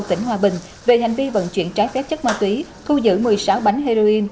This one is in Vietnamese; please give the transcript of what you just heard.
tỉnh hòa bình về hành vi vận chuyển trái phép chất ma túy thu giữ một mươi sáu bánh heroin